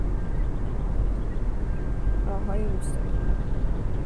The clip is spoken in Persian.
راههای روستایی